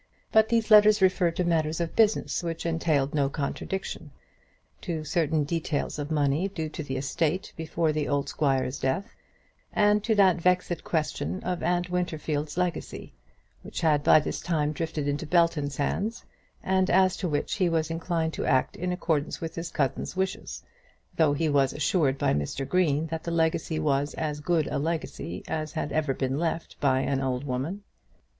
But these letters referred to matters of business which entailed no contradiction, to certain details of money due to the estate before the old squire's death, and to that vexed question of Aunt Winterfield's legacy, which had by this time drifted into Belton's hands, and as to which he was inclined to act in accordance with his cousin's wishes, though he was assured by Mr. Green that the legacy was as good a legacy as had ever been left by an old woman.